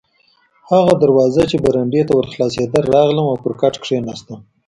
هغه دروازه چې برنډې ته ور خلاصېده، راغلم او پر کټ کښېناستم.